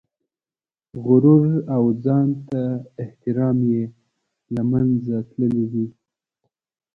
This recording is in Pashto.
غرور او ځان ته احترام یې له منځه تللي دي.